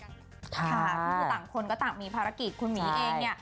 ก็คือต่างคนก็ต่างมีภารกิจคุณหมีเองเนี่ย